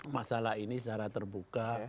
masalah ini secara terbuka